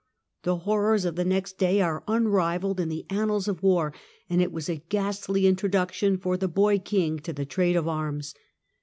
The horrors of the next day are unrivalled in the annals of war, and it was a ghastly introduction for the boy King to the trade of arms.